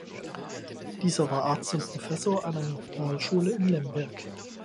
Dieser war Arzt und Professor an einer Realschule in Lemberg.